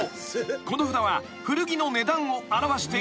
この札は古着の値段を表しているもの］